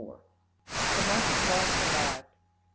The month of March arrived.